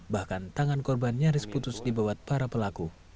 bahkan tangan korban nyaris putus dibawat para pelaku